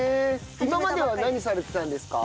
今までは何されてたんですか？